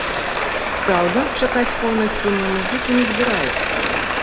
Праўда, чакаць поўнай сумы музыкі не збіраюцца.